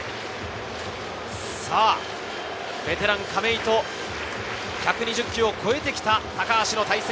ベテラン亀井と１２０球を超えてきた高橋の対戦。